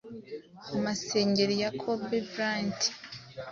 Amasengeri ya Kobe Bryant